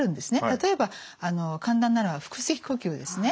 例えば簡単なのは腹式呼吸ですね。